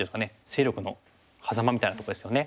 勢力のはざまみたいなとこですよね。